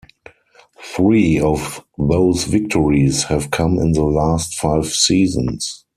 Three of those victories have come in the last five seasons.